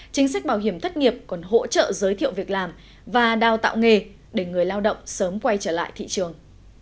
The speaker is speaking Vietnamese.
chính sách bảo hiểm thất nghiệp còn hỗ trợ giới thiệu việc làm và đào tạo nghề để người lao động sớm quay trở lại thị trường